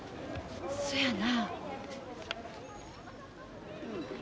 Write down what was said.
そやな。